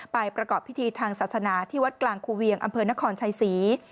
ประกอบพิธีทางศาสนาที่วัดกลางคูเวียงอำเภอนครชัยศรี